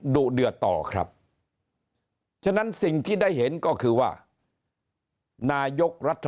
ดุเดือดต่อครับฉะนั้นสิ่งที่ได้เห็นก็คือว่านายกรัฐ